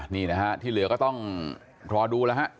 นี่นะฮะที่เหลือก็ต้องรอดูแล้วฮะ